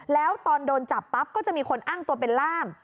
แล้วตอนโดนจับปั๊บก็จะมีคนอ้างตัวเป็นล่าม